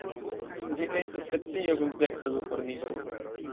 Ĝi estas specio kun seksa duformismo.